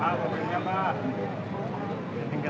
pak mobilnya pak